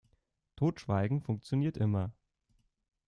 Totschweigen funktioniert immer.